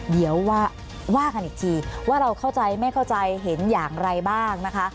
เดี๋ยวว่ากันอีกทีว่าเราเข้าใจไม่เข้าใจเห็นอย่างไรบ้างนะคะ